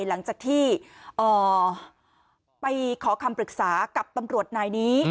หลังจากที่ไปขอคำปรึกษากับตำรวจนายนี้